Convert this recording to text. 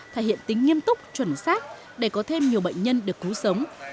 thể hiện tính nghiêm túc chuẩn xác để có thêm nhiều bệnh nhân được cứu sống